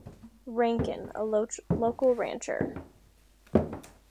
Rankin, a local rancher.